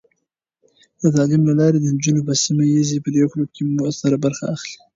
د تعلیم له لارې، نجونې په سیمه ایزې پرېکړو کې مؤثره برخه اخلي.